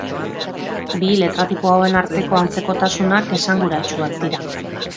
Bi letra-tipo hauen arteko antzekotasunak esanguratsuak dira.